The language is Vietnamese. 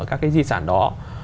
các cái di sản đó